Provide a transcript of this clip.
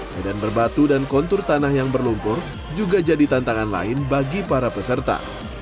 medan berbatu dan kontur tanah yang berlumpur juga jadi tantangan lain bagi para peserta